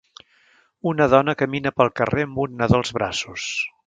Una dona camina pel carrer amb un nadó als braços.